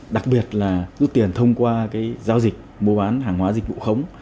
đặc biệt là rút tiền thông qua giao dịch mua bán hàng hóa dịch vụ khống